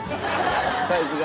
サイズが？